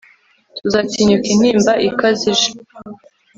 tuzatinyuka intimba ikaze ije